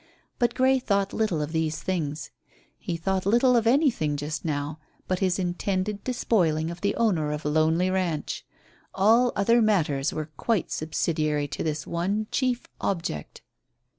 But Grey thought little of these things. He thought little of anything just now but his intended despoiling of the owner of Lonely Ranch. All other matters were quite subsidiary to his one chief object.